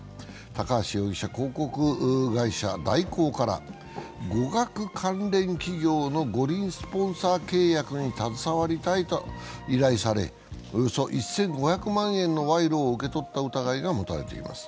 高橋容疑者は広告会社・大広から語学関連企業の五輪スポンサー契約に携わりたいと依頼され、およそ１５００万円の賄賂を受け取った疑いが持たれています。